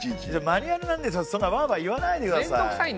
マニュアルなんですからそんなわわ言わないでください。